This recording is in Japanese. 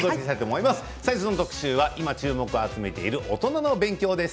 きょうの特集は今注目を集めているおとなの勉強です。